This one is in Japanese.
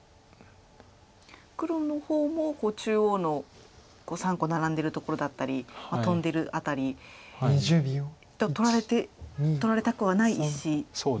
黒の方も中央の３個ナラんでるところだったりトンでる辺り取られたくはない石ですよね。